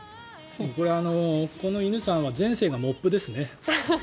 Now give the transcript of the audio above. これ、この犬さんは前世がモップですね。